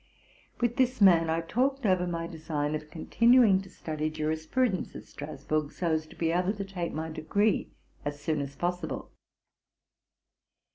With this man I talked over my design of continuing to study jurisprudence at Strasburg, so as to be able to take my degree as soon as possible.